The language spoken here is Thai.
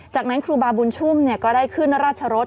จากนั้นครูบาบุญชุ่มก็ได้ขึ้นราชรส